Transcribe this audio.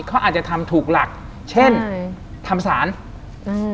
เขาอาจจะทำถูกหลักเช่นอืมทำสารอืม